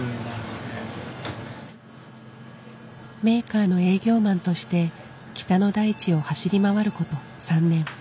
メーカーの営業マンとして北の大地を走り回る事３年。